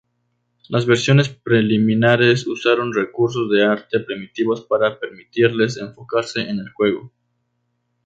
Las versiones preliminares usaron recursos de arte primitivos para permitirles enfocarse en el juego.